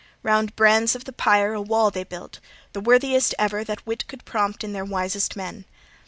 Round brands of the pyre a wall they built, the worthiest ever that wit could prompt in their wisest men.